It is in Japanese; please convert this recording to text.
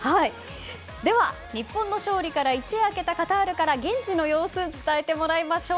では、日本の勝利から一夜明けたカタールから現地の様子伝えてもらいましょう。